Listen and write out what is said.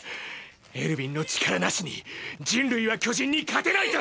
エルヴィンの力なしに人類は巨人に勝てないと！！